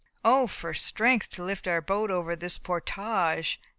"O, for strength to lift our boat over this portage!"